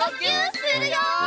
するよ！